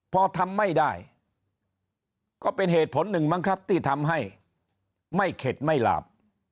พอทำไม่ได้ก็เป็นเหตุผลหนึ่งมั้งครับที่ทำให้ไม่เข็ดไม่หลาบ